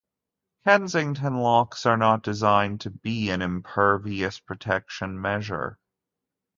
Kensington locks are not designed to be an impervious protection measure.